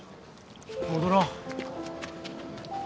戻ろう。